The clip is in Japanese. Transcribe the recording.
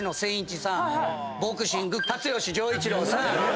ボクシング辰丈一郎さん。